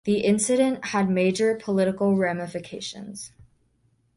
The incident had major political ramifications.